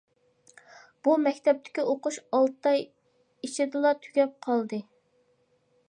بۇ مەكتەپتىكى ئوقۇش ئالتە ئاي ئىچىدىلا تۈگەپ قالدى.